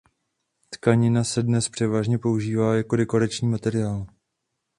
Tkanina se dnes převážně používá jako dekorační materiál.